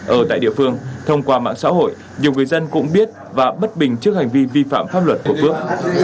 ở tại địa phương thông qua mạng xã hội nhiều người dân cũng biết và bất bình trước hành vi vi phạm pháp luật của phước